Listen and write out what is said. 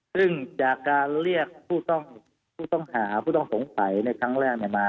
ซึ่งจากการเรียกผู้ต้องหาผู้ต้องสงสัยในครั้งแรกมา